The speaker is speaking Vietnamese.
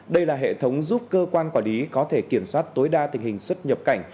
đây là hệ thống giúp cơ quan quản lý có thể kiểm soát tối đa tình hình xuất nhập cảnh